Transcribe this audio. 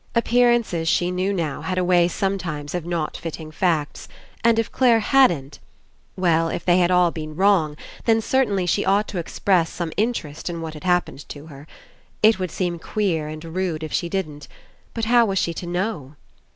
Appearances, she knew now, had a way some times of not fitting facts, and if Clare hadn't — Well, If they had all been wrong, then certainly she ought to express some Interest In what had happened to her. It would seem queer and rude 32 ENCOUNTER if she didn't. But how was she to know?